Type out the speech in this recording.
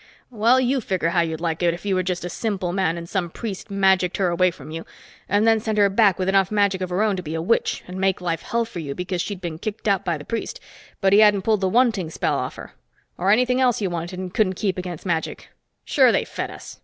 Well, you figure how you'd like it if you were just a simple man and some priest magicked her away from you and then sent her back with enough magic of her own to be a witch and make life hell for you because she'd been kicked out by the priest, but he hadn't pulled the wanting spell off her. Or anything else you wanted and couldn't keep against magic. Sure, they fed us.